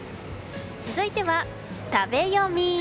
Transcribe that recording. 続いては、食べヨミ。